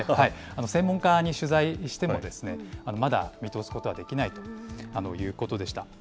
専門家に取材しても、まだ見通すことはできないということでした。